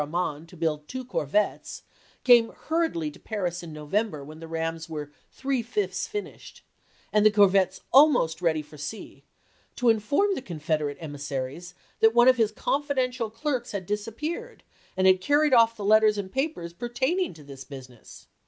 Arman to build two corvettes, came hurriedly to Paris in November when the rams were three fifths finished, and the corvettes almost ready for sea, to inform the Confederate emissaries that one of his confidential clerks had disappeared and had carried off the letters and papers pertaining to this business.